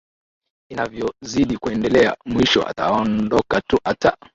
inavyozidi kuendelea mwisho ataondoka tu ata